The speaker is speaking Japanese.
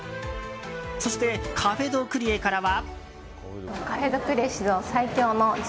そしてカフェ・ド・クリエからは。